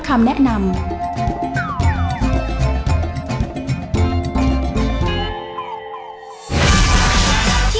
ขอบคุณครับ